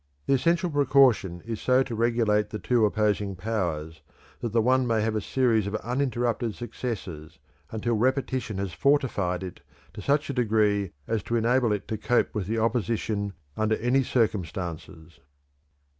The essential precaution is so to regulate the two opposing powers that the one may have a series of uninterrupted successes, until repetition has fortified it to such a degree as to enable it to cope with the opposition, under any circumstances."